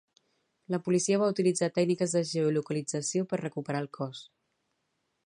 La policia va utilitzar tècniques de geolocalització per recuperar el cos.